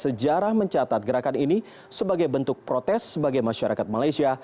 sejarah mencatat gerakan ini sebagai bentuk protes sebagai masyarakat malaysia